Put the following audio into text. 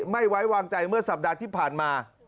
ไม่ไว้วางใจเมื่อสัปดาห์ที่ผ่านมา